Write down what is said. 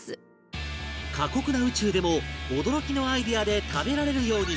過酷な宇宙でも驚きのアイデアで食べられるように